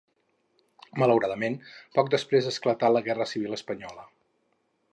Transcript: Malauradament, poc després esclatà la guerra civil espanyola.